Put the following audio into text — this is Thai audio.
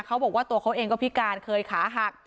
เขาบอกว่าตัวเขาเองก็พิการเคยขาหัก